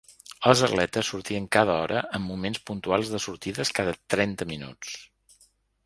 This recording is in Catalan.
Els atletes sortien cada hora amb moments puntuals de sortides cada trenta minuts.